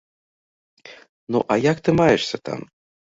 Ну, а як ты маешся там?